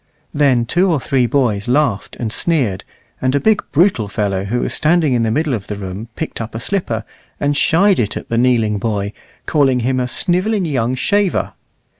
Then two or three boys laughed and sneered, and a big, brutal fellow who was standing in the middle of the room picked up a slipper, and shied it at the kneeling boy, calling him a snivelling young shaver.